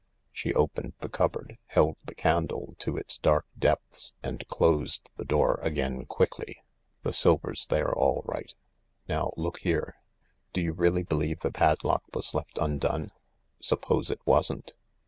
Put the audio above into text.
She opened the cupboard, held the candle to its dark depths and closed the door again quickly. THE LARK 129 "The silver's there all right. Now, look here. Do you really believe the padlock was left undone ? Suppose it wasn't.